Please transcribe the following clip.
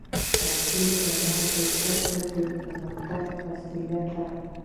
رقیب زما د فکر د پرمختګ وسیله ده